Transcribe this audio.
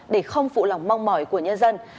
để không phụ lòng mong mỏi của nhân dân